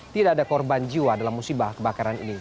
tidak ada korban jiwa dalam musibah kebakaran ini